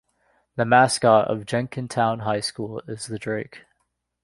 The mascot of Jenkintown High School is the Drake.